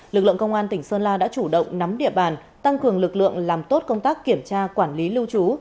lực lượng công an tỉnh sơn la đã chủ động nắm địa bàn tăng cường lực lượng làm tốt công tác kiểm tra quản lý lưu trú